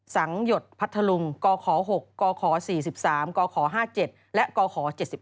สังหยดพัทธลุงกข๖กข๔๓กข๕๗และกข๗๑